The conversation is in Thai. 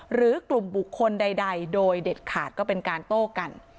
หรือกลุ่มบุคคลใดโดยเด็ดขาดก็เป็นการโต้กัน